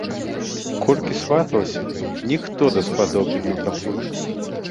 Колькі сваталася, ніхто даспадобы не даходзіць.